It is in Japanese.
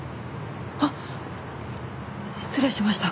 あっ失礼しました。